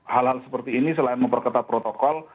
hal hal seperti ini selain memperketat protokol